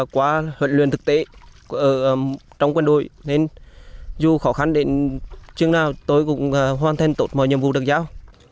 qua huyện luyện thực tế trong quân đội nên dù khó khăn đến chương nào tôi cũng hoàn thành tốt mọi nhiệm vụ được giáo